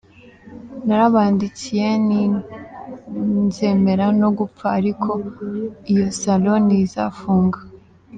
Narabandikiye nti nzemera no gupfa ariko iyo salon ntizafunga.